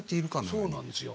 そうなんですよ。